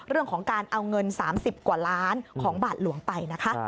เรื่องของการเอาเงิน๓๐กว่าล้านของบาทหลวงไปนะคะ